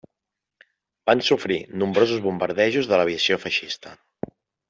Van sofrir nombrosos bombardejos de l'aviació feixista.